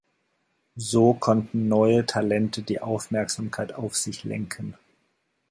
So konnten neue Talente die Aufmerksamkeit auf sich lenken.